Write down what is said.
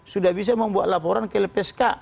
sudah bisa membuat laporan ke lpsk